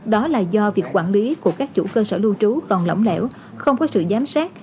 đó là do việc quản lý của các chủ cơ sở lưu trú còn lỏng lẻo không có sự giám sát